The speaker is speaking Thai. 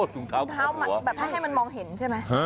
ถุงเท้าครอบหัวถุงเท้าแบบให้มันมองเห็นใช่ไหม